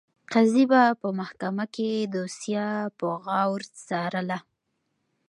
قاضي به په محکمه کې دوسیه په غور څارله.